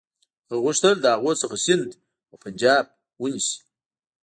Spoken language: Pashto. هغه غوښتل له هغوی څخه سند او پنجاب ونیسي.